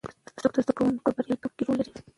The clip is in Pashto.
څوک د زده کوونکو په بریالیتوب کې رول لري؟